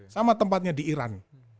sama tempatnya di iran